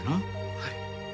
はい。